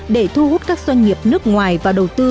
để thu hút các doanh nghiệp nước ngoài và đầu tư